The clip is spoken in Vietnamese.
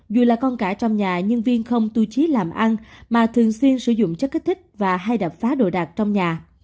dù là con cả trong nhà nhưng viên không tu trí làm ăn mà thường xuyên sử dụng chất kích thích và hay đập phá đồ đạc trong nhà